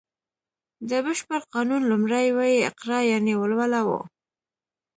د بشپړ قانون لومړی ویی اقرا یانې ولوله و